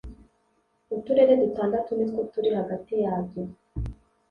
uturere dutandatu nitwo turi hagati yabyo